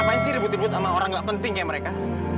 ngapain sih ribut ribut sama orang gak penting kayak mereka